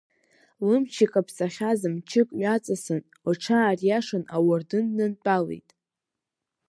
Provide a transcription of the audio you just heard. Лымч икаԥсахьаз, мчык ҩаҵасын, лҽаариашан ауардын днантәалеит.